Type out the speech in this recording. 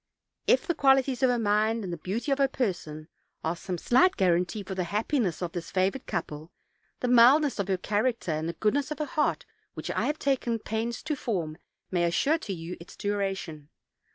If the qualities of her mind, and the beauty of her person, are some slight guarantee for the happiness of this favored couple, the mildness of her character and the goodness 874 OLD, OLD FAIRY TALKS. of her heart, which I have taken pains to form, may assure to you its duration.